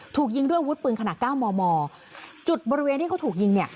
ถูกยิงด้วยอาวุธปืนขนาดเก้ามอมอจุดบริเวณที่เขาถูกยิงเนี่ย